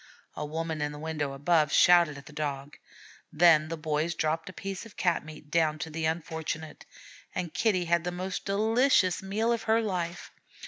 A woman in a window above shouted at the Dog. Then the boys dropped a piece of cat meat down to the unfortunate; and Kitty had the most delicious meal of her life.